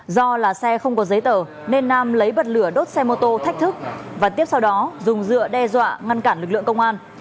do là xe không có giấy tờ nên nam lấy bật lửa đốt xe mô tô thách thức và tiếp sau đó dùng dựa đe dọa ngăn cản lực lượng công an